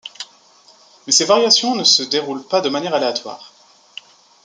Mais ces variations ne se déroulent pas de manière aléatoire.